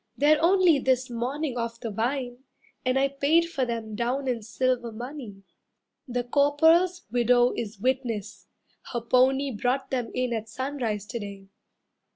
They're only this morning off the vine, And I paid for them down in silver money. The Corporal's widow is witness, her pony Brought them in at sunrise to day.